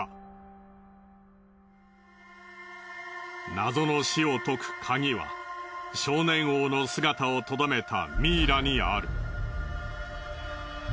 謎の死を解くカギは少年王の姿をとどめたミイラにある。